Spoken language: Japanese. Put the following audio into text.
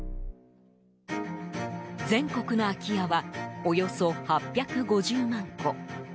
全国の空き家はおよそ８５０万戸。